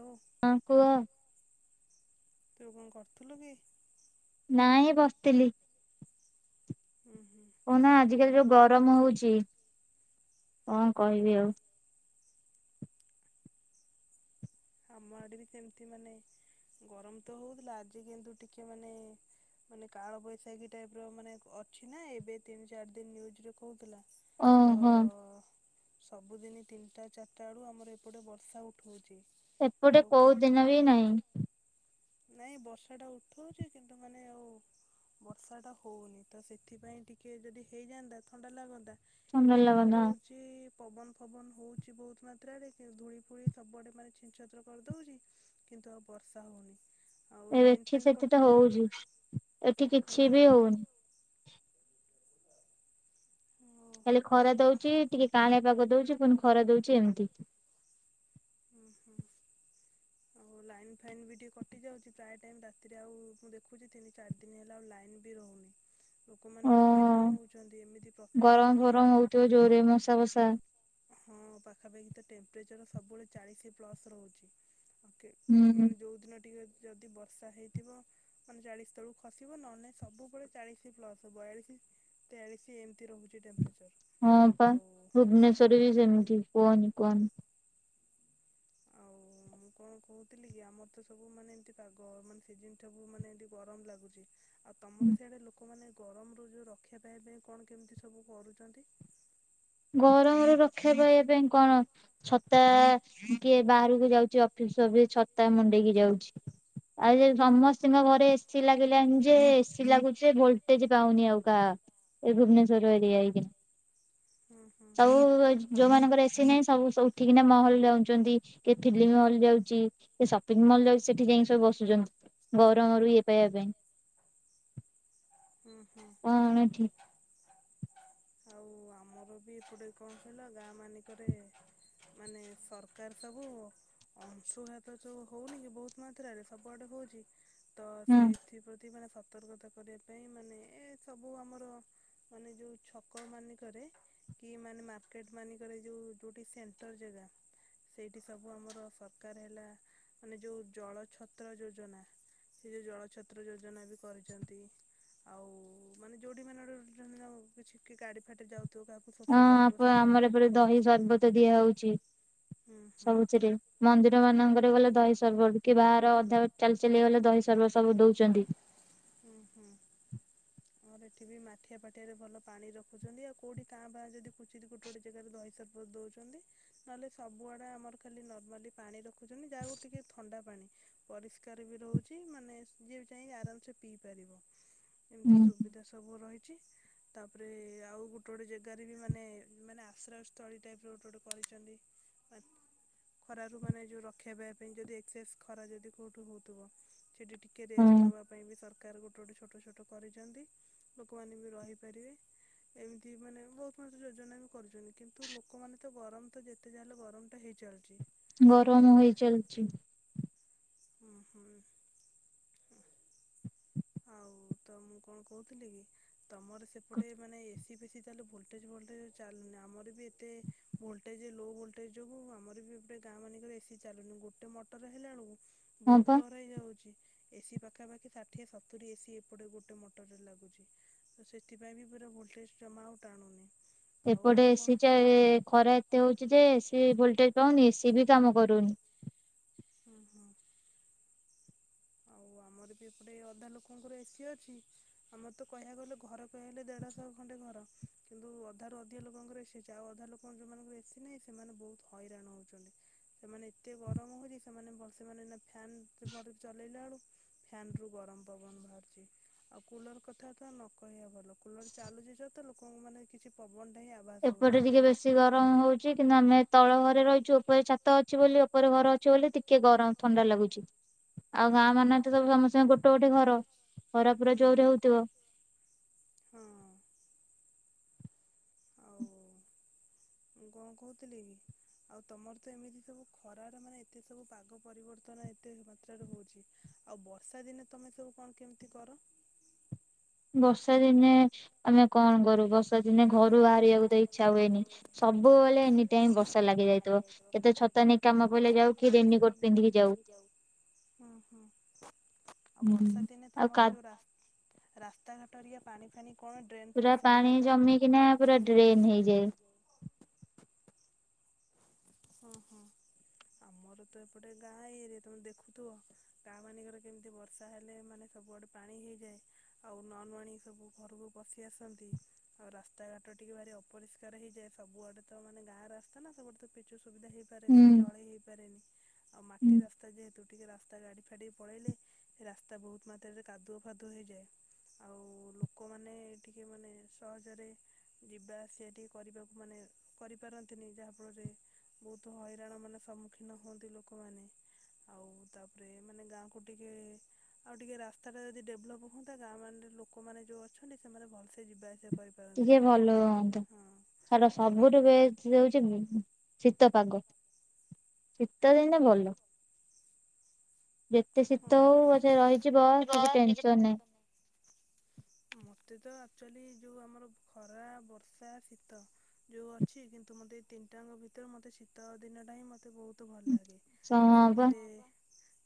ହ ହଁ କୁହ। ତୁ କଣ କରୁଥିଲୁ କି? ନାଇଁଁ ବସିଥିଲି। ହୁଁ ହୁଁ। କୁହନା ଆଜିକାଲି ଯୋଉ ଗରମ ହଉଛି କଣ କହିବି ଆଉ। ଆମ ଆଡେ ବି କେମିତି ମାନେ ଗରମ ତ ହଉଥିଲା ଆଜି କିନ୍ତୁ ଟିକେ ମାନେ ମାନେ କାଳବୈଶାଖୀ ଟାଇପ ର ମାନେ ଅଛି ନା ଏବେ ତିନି ଚାରି ଦିନ ନ୍ୟୁଜରେ କହୁଥିଲା। ତୋ ଓହୋ ସବୁଦିନ ତିନିଟା ଚାରିଟା ବେଳୁ ଆମର ଏପଟେ ବର୍ଷା ଉଠଉଛି। ଗୋଟେ ଆଉ କୋଉ କି ଦିନ ବି ନାହିଁ। ନାଇଁ ବର୍ଷା ଟା ଉଠଉଛି କିନ୍ତୁ ମାନେ ଆଉ ବର୍ଷା ଟା ହଉନି ତ ସେଥିପାଇଁ ଟିକେ ଯଦି ହେଇଯାଆନ୍ତା ଥଣ୍ଡା ଲାଗନ୍ତା। ଥଣ୍ଡା ଏମିତି ଲାଗୁନା। ଉଠଉ ଛି ପବନ ଫବନ ହଉଛି ବହୁତ ମାତ୍ରରେ ଧୂଳି ଫୁଳି ସବୁଆଡେ ମାନେ ଛିନଛତ୍ର କରିଦଉଛି। କିନ୍ତୁ ଆଉ ବର୍ଷା ହେଉନି। ଏ ଏଠି ସେଠି ତ ହଉଛି, ଏଠି କିଛି ହଁ ବି ହଉନି। ହୁଁ ଟେ ଖରା ଦଉଛି ଟିକେ କାଆଁଳିଆ ପାଗ ଦଉଛି ପୁଣି ଖରା ଦଉଛି ଏମିତି। ହୁଁ ହୁଁ ଆଉ ଲାଇନ୍ ଫାଇନ୍ ବି ଟିକେ କଟି ଯାଉଛି ପ୍ରାୟ ଟାଇମ ରାତିରେ ଆଉ ମୁଁ ଦେଖୁଛି ତିନି ଚାରି ଦି ନ ହେଲା ଆଉ ଲାଇନ ବି ରହୁନି ଲୋକମାନେ ବି ଓହୋ ହଇରାଣ ହଉଛନ୍ତି। ଏମିତି ପ୍ରତି ମାନେ ତେ ଜୋରରେ ମଶା ବସା ହଁ ପାଖାପାଖି ତ ଟେମ୍ପରେଚର ସବୁବେଳେ ଚାଳିଶ ପ୍ଲସ ରହୁଛି। ଓକେ ହୁଁ। ମାନେ ଯେଉଁଦିନ ଟିକେ ଯଦି ବର୍ଷା ହେଇଥିବ ମାନେ ଚାଳିଶ ତଳକୁ ଖସିବ ନହନେ ନାହିଁ ସବୁ ବେଳେ ଚାଳିଶ ପ୍ଲସ ବୟାଳିଶ ତେୟାଳିଶ ଏମିତି ରହୁଛି ଟେମ୍ପରେଚର। ହଁ ପା ଭୁବନେଶ୍ଵରରେ ବି ସେମିତି କୁହନି କୁହନି। ଆଉ ମୁଁ କଣ କହୁଥିଲି କି ଆମର ତ ସବୁ ମାନେ ଏମତି ପାଗ ମାନେ ସିଜିନ ସବୁ ମାନେ ଏମିତି ଗରମ ଲାଗୁଛି। ଆଉ ତମର ସିଆଡ଼େ ଲୋକମାନେ ଗରମରୁ ଯେଉଁ ରକ୍ଷା ପାଇବା ପାଇଁ କଣ କେମିତି ସବୁ କରୁଛନ୍ତି? ଗରମରୁ ରକ୍ଷା ପାଇବା ପାଇଁ କଣ? ଛତା କିଏ ବାହାରକୁ ଯାଉଛି ଅଫିସ ଫଫିସ ଛତା ମୁଣ୍ଡେଇକି ଯାଉଛି। ଆଉ ସମସ୍ତଙ୍କ ଘରେ ଏସି ଲାଗିଲାଣି ଯେ ଏସି ଲାଗୁଛି ଭୋଲଟେଜ ପାଉନି ଆଉ କାହା ଏ ଭୁବନେଶ୍ୱଵର ଏରିଆ ହେଇ କିି। ହୁଁ ହଁ ଯୋଉ ଯୋଉ ମାନଙ୍କର ଏସି ନାହିଁ ସବୁ ସବୁ ଉଠିକିନା ମହଲ ଯାଉଛନ୍ତି, କି ଫିଲ୍ମ ହଲ ଯାଉଛି। ସେ ସପିଙ୍ଗ ମଲ୍ ଯାଉ ସେଠି ଯାଇକି ସବୁ ବସୁଛନ୍ତି ଗରମରୁ ଇଏ ପାଇବା ପାଇଁ। ଉଁ ହୁଁ। କଣ ଠିକ୍ ଆଉ ଆମର ବି ଏପଟେ କଁ କହିଲ ଗାଁ ମାନଙ୍କରେ। ମାନେ ସରକାର ସବୁ। ଅଂଶୁଘାତ ଯୋଉ ହଉନି କି ବହୁତ ମାତ୍ରାରେ ସବୁଆଡେ ହଉଛି ତ ହଁ ସେଇଥି ପ୍ରତ୍ ପ୍ରତି ମାନେ ସତର୍କତା କରିବା ପାଇଁ ମାନେ ଏ ସବୁ ଆମର ମାନେ ଯୋଉ ଛ ଛକ ମାନଙ୍କରେ କି ମାନେ ମାର୍କେଟ ମାନିଙ୍କରେ ଯୋଉଠି ସେଣ୍ଟର ଜାଗା। ସେଇଠି ସବୁ ଆମର ସରକାର ହେଲା ମାନେ ଯୋଉ ଜଳ ଛତ୍ର ଯୋଜନା। ସେ ଯୋଉ ଜଳଛତ୍ର ଯୋଜନା ବି କରିଛନ୍ତି। ଆଉ ମାନେ ଯୋଉଠି ମାନେ [inaudible] କିଛି ଗାଡି ଫାଟ ଯାଉଥିବ କାହାକୁ। ହଁ ଶୋଷ ଲାଗିବ ଆପ ଆମର ଏପଟେ ଦହି ସଡ଼ନ ହୁଁ ସର୍ବତ ଦିଆ ହଉଛି ହୁଁ ହୁଁ ସବୁଥିରେ। ମନ୍ଦିର ମାନଙ୍କରେ ଗଲେ ଦହି ସରବର କି ବାହାର ଅଧାରୁ ଚାଲି ଚାଲି ଗଲେ ଦହି ସରବର ସବୁ ଦଉଛନ୍ତି। ହୁଁ ହୁଁ। ଆମର ଏଠି ବି ମାଠିଆ ପାଠିଆରେ ଭଲ ପାଣି ରଖୁଛନ୍ତି ଆଉ କୋଉଠି କାଁ ବାଁ ଯଦି କୁଚୁରି ଗୋଟେ ଗୋଟେ ଜାଗାରେ ଦହି ସରବତ ଦଉଛନ୍ତି ନହେଲେ ସବୁଆୁଡେ ଆମର ଖାଲ ନର୍ମାଲି ପାଣି ରଖ ରଖୁଛନ୍ତି ଯାହା ହଉ ଟିକେ ଥଣ୍ଡା ପାଣି ପରିଷ୍କାର ବି ରହୁଛି ମାନେ ଯିଏ ବି ଯାଇ ଆରାମସେ। ପିଇ ପାରିବ ଏମିତି ହୁଁ ସୁବିଧା ସବୁ ରହିଛି। ତାପରେ ଆଉ ଗୋଟେ ଗୋଟେ ଜାଗାରେ ବି ମାନେ ମାନେ ଆଶ୍ରୟ ସ୍ଥଳୀ ଟାଇପ ର ଗୋଟେ ଗୋଟେ କରିଛନ୍ତି। ପ ଖରାରୁ ମାନେ ଯୋଉ ରକ୍ଷା ପାଇ ପାଇଁ ଯଦି ଏକ୍ସେସ୍ ଖରା ଯଦି କୋଉଠୁ ହଉଥିବ। ସେଠି ଟିକେ ରେଷ୍ଟ ନବା ପାଇଁ ବି ସର ସରକାର ଗୋଟେ ଗୋଟେ ଛୋଟ ଛୋଟ କରିଛନ୍ତି ଲୋକମାନେ ବି ରହିପାରିବେ। ଏମିତି ମାନେ ବହୁତ ମାତ୍ରାରେ ଯୋଜନା ବି କରୁଛନ୍ତି କିନ୍ତୁ ଲୋକମାନେ ତ ଗରମ ତ ଯେ ଯେତେ ଯା ହେଲେ ଗରମ ଟା ହେଇ ଚାଲିଛି। ତ ଗରମ ହେଇ ଚାଲିଛି। ହୁଁ ହୁଁ। ଆଉ ତ ମୁଁ କଣ କହୁଥିଲି କି ତମର ସେପଟେ ମାନେ ଏ ଶୀ ଫେଶୀ ତାହେଲେ ଭୋଲଟେଜ୍ ଭୋଲଟେଜ ଚାଲୁନି ଆମର ବି ଏତେ। ଭୋଲଟେଜ ଲୋ ଭୋଲଟେଜ ଯୋଗୁ ଆମର ବି ଏପଟେ ଗାଁ ମାନଙ୍କରେ ଏସିି ଚାଲୁନି ଗୋଟେ ମଟର ହେଲା ବେଳକୁ। ହଁ ବହୁତ ପା ଘର ହେଇ ଯାଉଛି ଏସିି ପାଖାପାଖି ଷାଠିଏ ସତ ସତୂରି ଏସିି ଏପଟେ ଗୋଟେ ମଟର ରେ ଲାଗୁଛି। ତ ସେଥିପାଇଁ ବି ପୁରା ଭୋଲ୍ଟେଜ୍ ଜମା ଆଉ ଟାଣୁନି। ଆଉ ଏପଟେ ମୁଁ କଣ ଏସିି ଚାଲ୍ ଖରା ଏତେ ହଉଛି ଯେ ଏସି ଭୋଲଟେଜ ପାଉନି ଏସିି ବି କାମ କରୁନି। ହୁଁ ହୁଁ। ଆଉ ଆମର ବି ଏପଟେ ଅଧା ଲୋକଙ୍କର ଏସି ଅଛି ଆମର ତ କହିବାକୁ ଗଲେ ଘର କହିଲେ ଦେଢ଼ଶହ ଖଣ୍ଡେ ଘର। କିନ୍ତୁ ଅଧାରୁ ଅଧିକା ଲୋକଙ୍କର ଏସି ଅଛି ଆଉ ଅଧା ଲୋକଙ୍କ ଯୋଉମାନଙ୍କର ଏସି ନାହିଁ ସେମାନେ ବହୁତ ହଇରାଣ ହଉଛନ୍ତି। ସେମାନେ ଏତେ ଗରମ ହଉଛି ସେମାନେ ଭଲ ସେ ମାନେ ଏଇନା ଫ୍ୟାନ ଚଲେଇଲା ବେଳୁକୁ। ଫ୍ୟାନ୍ରୁ ଗରମ ପବନ ବାହାରୁଛି। ଆଉ କୁଲର କଥା ତ ନ କହିବା ଭଲ କୁଲର ଚାଲୁଛି ଯା ତ ମାନେ ଲୋକଙ୍କୁ ମାନେ କିଛି ପବନ ଟା ହି ଆ ଏପଟ ଟିକେ ବେଶୀ ଗର ଗରମ ହଉଛି କିନ୍ତୁ ଆମେ ତଳ ଘରେ ରହିଛୁ ଉପରେ ଛାତ ଅଛି ବୋଲି ଉପରେ ଘର ଅଛି ବୋଲି ଟିକେ ଗରମ ଥଣ୍ଡା ଲାଗୁଛି। [inaudible] ଆଉ ଗାଁ ହୁଁ। ମାନେ ତ ସବୁ ସମସ୍ତିଙ୍କ ଗୋଟେ ଗୋଟେ ଘର। ଖରା ପୁରା ଜୋରରେ ହଉଥିବ ହୁଁ ହଁ। ଆଉ କଣ କହୁଥିଲି କି ଆଉ ତମର ତ ଏମିତି ସବୁ ଖରାର ମାନେ ଏତେ ସବୁ ପାଗ ପରିବର୍ତ୍ତନ ଏତେ ମାତ୍ରାରେ ହଉଛି ଆଉ ବର୍ଷା ଦିନେ ତମେ ସବୁ କଣ କେମିତି କର? ବର୍ଷା ଦିନେ ଆମେ କଣ କରୁ ବସ ଦିନେ ଘରୁ ବାହାରିବାକୁ ତ ଇଚ୍ଛା ହୁଏନି ସବୁବେଳେ ଏନି ଟାଇମ ବର୍ଷା ଲାଗି ରହିଥିବ କେତେ ଛ ତା ନେଇ କାମ ପଇଲେ ଯାଉ କି ରେନିକୋଟ ପିନ୍ଧିକି ଯାଉ। ହୁଁ ହୁଁ ଆଉ ବର୍ଷା ହୁଁ। ଦିନେ ଆଉ କା ତମର ଯୋଉ ରାସ୍ ରାସ୍ତାଘାଟ ହେରିକା ପାଣି ଫାଣି କଣ ଡ୍ରେନ୍ ଫେନ୍ ସୁବିଧା କ? କିନା ପୁରା ଡ୍ରେନ୍ ହେଇଯାଏ। ହଁ ହଁ ଆମର ତ ଏପଟେ ଗାଁ ଏରିଆ ତମେ ଦେଖୁଥିବ। ଗାଁ ମାନଙ୍କରେ କେମିତି ବର୍ଷା ହେଲେ ମାନେ ସବୁଆଡ ପାଣି ହେଇଯାଏ। ଆଉ ନ ନୂଆଣୀ ସବୁ ଘରକୁ ପସି ଆସନ୍ତି। ଆଉ ରାସ୍ତାଘାଟ ଟିକେ ଭାରି ଅପରିଷ୍କାର ହେଇଯାଏ ସବୁଆଡେ ତ ମାନେ ଗାଁ ରାସ୍ତା ନା ସବୁଆଡେ ତ ପିଚୁ ସୁବିଧା ହେଇପାରେନି କି ହୁଁ। ଡଳେଇ ହେଇପାରେନି। ଆଉ ମାଟି ରାସ୍ତା ଯେହେତୁ ଟିକେ ରାସ୍ତା ଗାଡ଼ି ଫାଡ଼ି ପଳେଇଲେ ସେ ରାସ୍ତା ବହୁତ ମାତ୍ରାରେ କାଦୁଅ ଫାଦୁଅ ହେଇଯାଏ। ଆଉ ଲୋକମାନେ ଟିକେ ମାନେ ସହଜରେ ଯିବା ଆସିବା ଟିକେ କରିବାକୁ ମାନେ କରିପାରନ୍ତିନି ଯାହାଫଳରେ ବହୁତ ହଇରାଣ ମାନେ ସମ୍ମୁଖୀନ ହୁଅନ୍ତି ଲୋକମାନେ। ଆଉ ତାପରେ ମାନେ ଗାଁକୁ ଟିକେ ଆଉ ଟିକେ ରାସ୍ତାଟା ଯଦି ଡେଭଲପ୍ ହୁଅନ୍ତା ଗାଁ ମାନ ଲୋକମାନେ ଯୋଉ ଅଛନ୍ତି ସେମାନେ ଭଲସେ ଯିବା ଆସିବା କରି ଟିକେ ଭଲ ହୁଅନ୍ତା ସାର ଆଉ ସବୁଠୁ ବେଶ୍ ହଉଛି ଶୀତ ପାଗ। ଶୀତ ଦିନେ ଭଲ। ଯେତେ ହଁ। ଶୀତ ହଉ ପଛେ ରହିଯିବ କିଛି ଟେନସନ ନାହିଁ। ମତେ ତ ଆକ୍ଚୁଆଲି ଯୋଉ ଆମର ଖରା ବର୍ଷା ଶୀତ। ଯୋଉ ଅଛି କିନ୍ତୁ ମୋତେ ଏଇ ତିନିଟାଙ୍କ ଭିତରେ ମତେ ଶୀତ ଦିନଟା ହିଁ ମୋତେ ବହୁ ତୁ ଭଲ ଲାଗେ ହଁ ବା ସେଥିରେ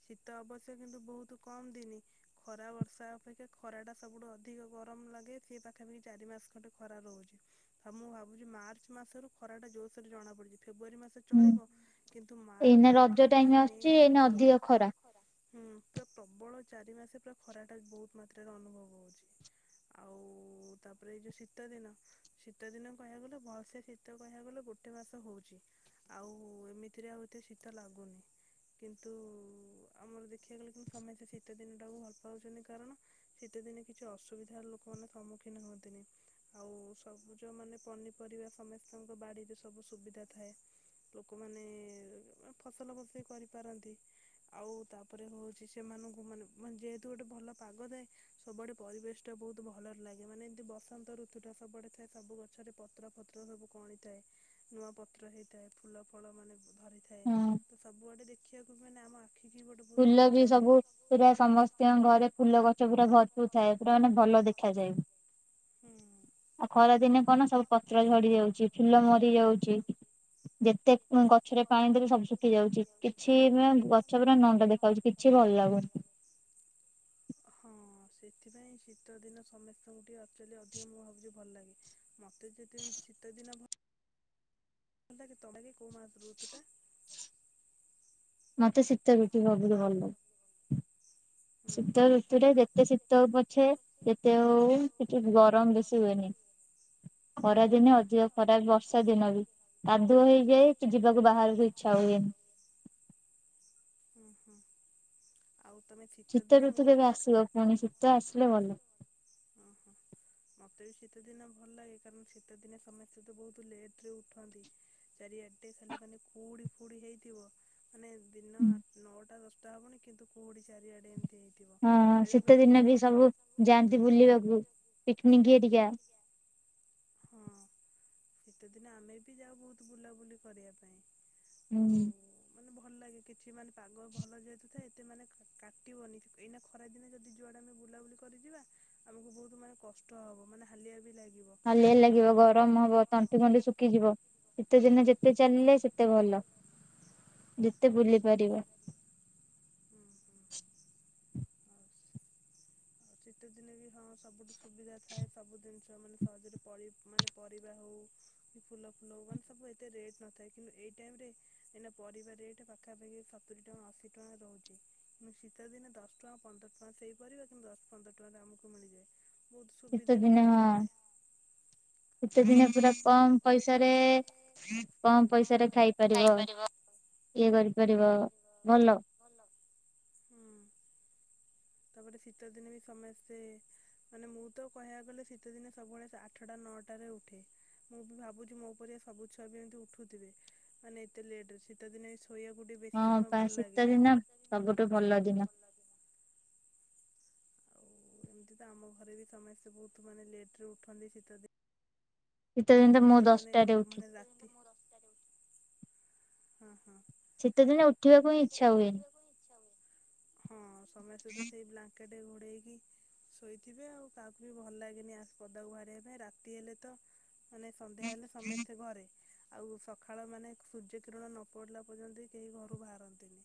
ଶୀତ ଅବଶ୍ୟ କିନ୍ତୁ ବହୁତ କମ ଦିନି ଖରା ବର୍ଷା ଅପେକ୍ଷା ଖରା ଟା ସବୁଠୁ ଅ ଧିକ ଗରମ ଲାଗେ ସେ ପାଖାପାଖି ଚାରି ମାସ ଖଣ୍ଡେ ଖରା ରହୁଛି। ତ ମୁଁ ଭାବୁଛି ମାର୍ଚ୍ଚ ମାସରୁ ଖରା ଟା ଯୋରସରରେ ଜଣା ପଡୁଛି ଫେବୃୟାରୀ ମାସ ହୁଁ। ଚଳିବ କିନ୍ତୁ ଏଇନା March Raja April time May ଆସୁଛି ଏଇନା ଅଧିକ ଜୁନ ଖରା। ହୁଁ ପୁରା ପ୍ରବଳ ଚାରି ମାସେ ପୁରା ଖରା ଟା ବହୁତ ମାତ୍ରାରେ ଅନୁଭବ ହଉଛି। ଆଉ ତାପରେ ଏଇ ଯୋଉ ଶୀତ ଦିନ। ଶୀତ ଦିନ କହିବାକୁ ଗଲେ ଭଲସେ ଶୀତ କହିବାକୁ ଗଲେ ଗୋଟେ ମାସ ହଉଛି। ଆଉ ଏମିତିରେ ଆଉ ଏତେ ଶୀତ ଲାଗୁନି। କିନ୍ତୁ ଆମର ଦେଖିବାକୁ ଗଲେ କିନ୍ତୁ ସମସ୍ତେ ଶୀତ ଦିନଟାକୁ ଭଲ ପାଉଛନ୍ତି କାରଣ ଶୀତ ଦିନେ କିଛି ଅସୁବିଧାର ଲୋକମାନେ ସମ୍ମୁଖୀନ ହୁଅନ୍ତିନି। ଆଉ ସବୁ ଯୋଉ ମାନେ ପନିପରିବା ସମସ୍ତଙ୍କ ବାଡିରେ ସବୁ ସୁବିଧା ଥାଏ। ଲୋକମାନେ ଫସଲ ଫସେଇ କରିପାରନ୍ତି। ଆଉ ତାପରେ ହଉଛି ସେମାନଙ୍କୁ ମାନେ ମାନେ ଯେହେତୁ ଗୋଟେ ଭଲ ପାଗ ଦାଏ ସବୁଆଡେ ପରିବେଶ ଟା ବହୁତ ଭଲରେ ଲାଗେ ମାନେ ଏମିତି ବସନ୍ତ ଋତୁ ଟା ସବୁଆଡ ଥାଏ ସବୁ ଗଛରେ ପତ୍ର ଫତ୍ର ସବୁ କଅଁଳି ଥାଏ। ନୂଆ ପତ୍ର ହେଇଥାଏ ଫୁଲ ଫଳ ମାନେ ଭରିଥାଏ ହଁ ତ ସବୁଆଡେ ଦେଖିବାକୁ ମାନେ ଆମ ଆ ଖିକି ଗୋଟେ ବହୁତ ଫୁଲ ଭଲ ବି ଲାଗେ। ସବୁ ପୁରା ସମସ୍ତିଙ୍କ ଘରେ ଫୁଲ ଗଛ ପୁରା ଭରପୁର ଥାଏ ପୁରା ମାନେ ଭଲ ଦେଖାଯାଏ। ହୁଁଁ। ଆଉ ଖରା ଦିନେ କଣ ସବୁ ପତ୍ର ଝଡି ଯାଉଚି ଫୁଲ ମରି ଯାଉଚି। ଯେତେ ଉଁ ଗଛରେ ପାଣି ଦେଲେ ସବୁ ଶୁଖି ଯାଉଚି କିଛି ନୁହେଁ ଗଛ ପୁରା ନ ନା ଦେଖାହଉଚି କିଛି ଭଲ ଲାଗୁନି। ହଁ ସେଥିପାଇଁ ଶୀତ ଦିନ ସମେସ୍ତଙ୍କୁ ଟିକେ ଅକ୍ଚୁଅଲି ଅଧିକ ମୁଁ ଭାବୁଚି ଭଲ ଲାଗେ ମତେ ସେଥିପାଇଁ ତ ଶୀତ ଦିନ ଭ ଅଲାଗେ ତମେ ବି କୋଉ ମା ଋତୁଟା? ମତେ ଶୀତ ଋତୁ ସବୁଠୁ ଭଲ। ହୁଁ ଶୀତ ହୁଁ ଋତୁରେ ଯେତେ ଶୀ ତ ହୋଉ ପଛେ ଯେତେ ହୋଉ କିତୁ ଗରମ ବେଶୀ ହୁଏନି। ଖରା ଦନେ ହୁଁ। ଅଧିଅ ଖରା ବର୍ଷା ଦିନ ବି କାଦୁଅ ହେଇଯାଏ କି ଯିବାକୁ ବାହାରୁକୁ ଇଚ୍ଛା ହୁଏନି। ଉଁ ହୁଁ। ଆଉ ତମେ ଫି ଶୀତ ଋତୁ କେବେ ଆସିବ ପୁଣି ଶୀତ ଆସିଲେ ଭଲ। ଅଁ ହଁ। ମତେ ବି ଶୀତ ଦିନ ଭଲ ଲାଗେ କାରଣ ଶୀତ ଦିନେ ସମେସ୍ତେ ତ ବୋହୁତ ଲେଟ୍ ରେ ଉଠନ୍ତି। ଚାରିଆଡ଼େ ଖାଲି ମାନେ କୁଉଡ଼ି ଫୁଉଡ଼ି ହେଇଥିବ। ଆନେ ଦିନ ଆ ନଅଟା ଦଶଟା ହବଣି କିନ୍ତୁ କୁହୁଡ଼ି ଚାରିଆଡ଼େ ଏମତି ହେ ହଁ ହଁ ଶୀତ ଦିନେ ବି ସବୁ ଯାଆନ୍ତି ବୁଲିବାକୁ ପିକନିକ ହେରିକା। ହଁ ଶୀତ ଦିନେ ଆମେ ବି ଯାଉ ବୋହୁତ ବୁଲାବୁଲି କରିବା ପାଇଁ। ହୁଁ ଆଉ ମାନେ ଭଲ ଲାଗେ କିଛି ମାନେ ପାଗ ଭଲ ଯେହେତୁ ଥାଏ ଏତେ ମାନେ କା କାଟିବନି ଏଇନା ଖ ଖରା ଦିନେ ଯଦି ଯୁଆଡ଼େ ଆମେ ବୁଲାବୁଲି କରିଯିବା ଆମୁକୁ ବହୁତ ମାନେ କଷ୍ଟ ହବ ମାନେ ହାଲିଆ ବି ଲାଗିବ। ହଲିଆ ଏବେ ଲାଗିବ ଗରମ ହବ ତଁ ଣ୍ଟି ଫଣ୍ଟି ଶୁକିଯିବ ଶୀତେ ଦିନେ ଯେତେ ଚାଲିଲେ ସେତେ ଭଲ। ଯେତେ ବୁଲି ପାରିବା। ହୁଁ ହୁଁ ଆଉ ଆଉ ଶୀତ ଦିନେ ବି ହଁ ସବୁଠୁ ସୁବିଧା ଥାଏ ସବୁ ଦିନିଷ ମାନେ ସହଜରେ ପରି ମାନେ ପରିବା ହଉ କି ଫୁଲ ଫୁଲ‌ ହୋଉ ମାନେ ସବୁ ଏତେ ରେଟ ନଥାଏ କିନ୍ତୁ ଏଇ ଟାଇମ ରେ ଏନା ପରିବା ରେଟ ପାଖାପାଖି ସତୁୁରୀ ଟଙ୍କା ଅଶୀ ଟଙ୍କା ରହୁଚି। ମୁଁ ଶୀତ ଦିନେ ଦଶ ଟଙ୍କା ପନ୍ଦର ଟଙ୍କା ସେଇ ପରିବା କିନ୍ତୁ ଦଶ୍ ପନ୍ଦର ଟଙ୍କାରେ ଆମୁକୁ ମିଳିଯାଏ ବୋହୁତ ଶୀତ ସୁବିଧାରେ ଦିନେ ବି ହଁ। ମିଳିଯାଏ। ଶୀତ ଦିନେ ଆଉ ପୁରା କମ ପଇସରେ କମ୍ ପଇସାରେ ଖାଇପାରିବ ଇଏ କରିପାରିବ ଭଲ। ଉଁ ତାପରେ ଶୀତ ଦିନେ ବି ସମେସ୍ତେ ମାନେ ମୁଁ ତ କହିବାକୁ ଗଲେ ଶୀତ ଦିନେ ସବୁବେଳେ ଆଠଟା ନଅଟାରେ ଉଠେ। ମୁଁ ବି ଭାବୁଚି ମୋ ପରିଆ ସବୁ ଛୁଆ ବି ଏମିତି ଉଠୁଥିବେ ମାନେ ଏତେ ଲେଟ୍ ରେ ଶୀତ ଦିନେ ଶୋଇଆକୁ ଟିଏ ବେଶୀ ହଁ ସମୟ ପା ଭଲ ଶୀତ ଲାଗେ। ଦିନ ସବୁଠୁ ଭଲ ଦିନ। ଉଁ ଏମତି ତ ଆମ ଘରେ ବି ସମେସ୍ତେ ବୋହୁତ ମାନେ ଲେଟରେ ଉଠନ୍ତି ଶୀତ ଦି ଶୀତ ଦିନ ଇନ ତ ହେଲେ ମୁଁ ଉ ମାନେ ଦଶଟାରେ କୁ ଉଠେ ମାନେ ରାତି ହଁ ହଁ। ଶୀତ ଦିନେ ଉ ହଁ ସମେସ୍ତେ ସେଇ ବ୍ଲାଙ୍କେଟ୍ ଘୋଡ଼େଇ ହେଇକି ଶୋଇଥିବେ ଆଉ କାହାକୁ ବି ଭଲ ଲାଗେନି ଆ ପଦାକୁ ବାହାରିବା ପାଇଁ ରାତି ହେଲେ ତ ମାନେ ସନ୍ଧ୍ୟା ହେଲେ ସମସ୍ତେ ଘରେ। ଆଉ ସକାଳ ମାନେ ସୂର୍ଯ୍ୟ କିରଣ ନ ପଡିଲା ପର୍ଯ୍ୟନ୍ତ କେହି ଘରୁ ବାହାରନ୍ତିନି।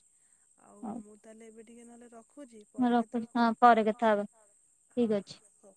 ଆଉ ହଉ ମୁଁ ତାହେଲେ ଏବେ ଟିକେ ନହେଲେ ର ରଖୁଛି ମୁଁ ପରେ ରଖୁଛି କେତେବେଳେ ହଁ ପରେ କଥା ହବା କଲ୍ ଠିକ ହଁ ଅଛି। ହଉ